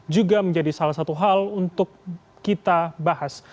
juga menjadi salah satu hal untuk kita bahas